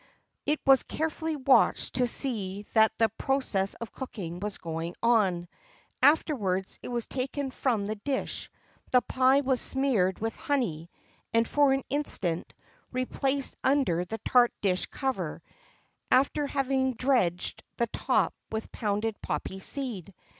It was carefully watched to see that the process of cooking was going on; afterwards it was taken from the dish, the pie was smeared with honey, and, for an instant, replaced under the tart dish cover, after having dredged the top with pounded poppy seed.